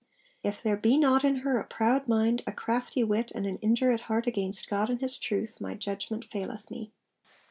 'If there be not in her a proud mind, a crafty wit, and an indurate heart against God and His truth, my judgment faileth me.'